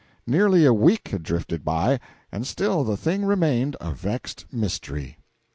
Nearly a week had drifted by, and still the thing remained a vexed mystery.